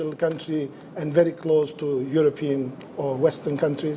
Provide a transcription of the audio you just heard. dan sangat dekat dengan negara eropa atau negara barat